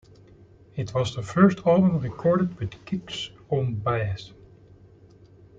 It was the first album recorded with Kicks on bass.